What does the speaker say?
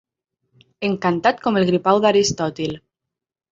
Encantat com el gripau d'Aristòtil.